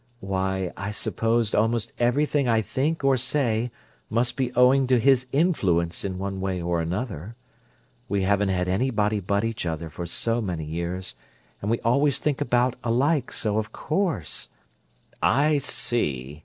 "Why, I suppose almost everything I think or say must be owing to his influence in one way or another. We haven't had anybody but each other for so many years, and we always think about alike, so of course—" "I see!"